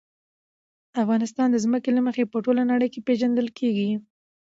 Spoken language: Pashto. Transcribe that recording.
افغانستان د ځمکه له مخې په ټوله نړۍ کې پېژندل کېږي.